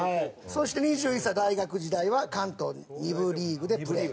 そして２１歳大学時代は関東２部リーグでプレー。